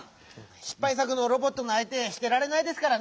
しっぱいさくのロボットのあい手してられないですからね。